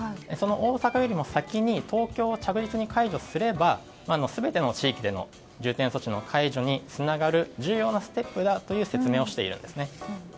その大阪よりも先に東京を着実に解除すれば全ての地域での重点措置の解除につながる重要なステップだという説明をしているんですね。